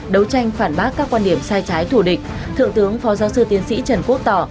đấu tranh phản bác các quan điểm sai trái thủ địch thượng tướng phó giáo sư tiến sĩ trần quốc tỏ